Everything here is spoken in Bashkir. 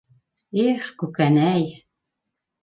Их Күкәнәй!